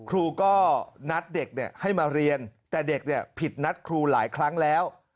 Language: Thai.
ครูก็นัดเด็กให้มาเรียนแต่เด็กผิดนัดครูหลายครั้งแล้ว